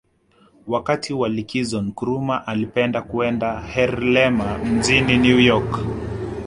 Wakati wa likizo Nkrumah alipenda kwenda Harlem mjini New York